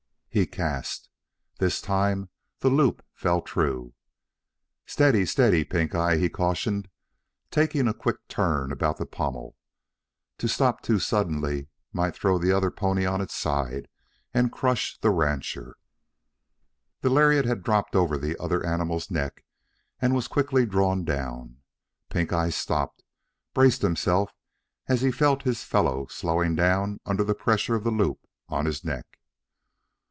He cast. This time the loop fell true. "Steady! steady! Pink eye," he cautioned, taking a quick turn about the pommel. To stop too suddenly might throw the other pony on its side and crush the rancher. The lariat had dropped over the other animal's neck and was quickly drawn down. Pinkeye stopped, braced himself as he felt his fellow slowing down under the pressure of the loop on his neck.